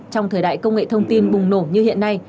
trong thời đại công nghệ thông tin bùng nổ như hiện nay